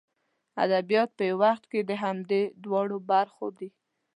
ادبیات په یو وخت کې د همدې دواړو برخو دي.